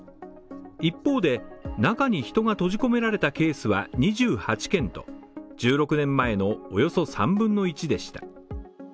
一方で、中に人が閉じ込められたケースは２８件と、１６年前のおよそ３分の１でした。